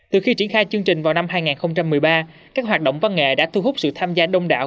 từ khi triển khai chương trình vào năm hai nghìn một mươi ba các hoạt động văn nghệ đã thu hút sự tham gia đông đảo